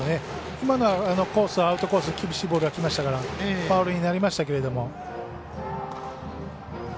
今のコースはアウトコースに厳しいボールがきましたからファウルになりましたけど。